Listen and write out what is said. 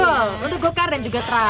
betul untuk go kart dan juga track yuk